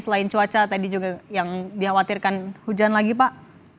selain cuaca tadi juga yang dikhawatirkan hujan lagi pak